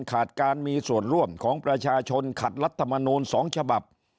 ขาดการมีส่วนร่วมของประชาชนขัดรัฐมนูล๒ฉบับ